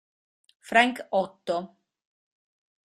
Frank Otto